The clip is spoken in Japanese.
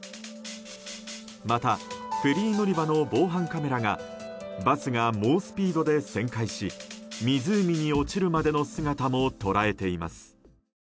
また、フェリー乗り場の防犯カメラがバスが猛スピードで旋回し湖に落ちるまでの姿も捉えています。